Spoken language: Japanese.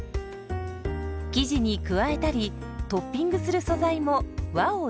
生地に加えたりトッピングする素材も和を意識。